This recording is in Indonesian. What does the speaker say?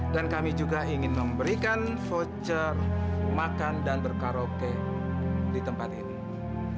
dan kami juga ingin memberikan voucher makan dan berkaroke di tempat ini